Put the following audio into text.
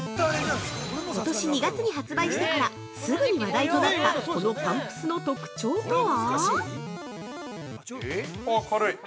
◆ことし２月に発売してからすぐに話題となったこのパンプスの特徴とは？